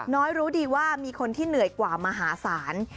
รู้ดีว่ามีคนที่เหนื่อยกว่ามหาศาล